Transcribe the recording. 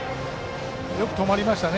よく止まりましたね。